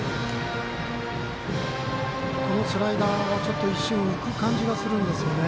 このスライダーはちょっと一瞬、浮く感じがするんですよね。